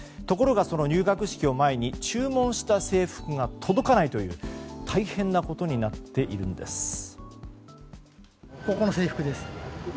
ところが、その入学式を前に注文した制服が届かないという大変なことになっているんです。